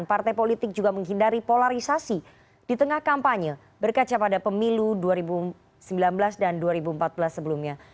partai politik juga menghindari polarisasi di tengah kampanye berkaca pada pemilu dua ribu sembilan belas dan dua ribu empat belas sebelumnya